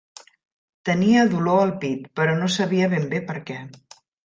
Tenia dolor al pit, però no sabia ben bé per què.